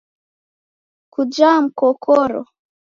Kujaa mkokoro?